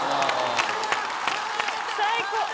「最高！」